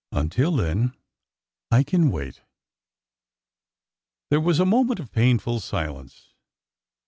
Until then I can wait." There was a moment of painful silence.